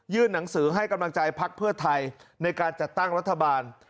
หนังสือให้กำลังใจพักเพื่อไทยในการจัดตั้งรัฐบาล